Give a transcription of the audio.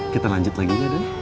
kita lanjut lagi ya doy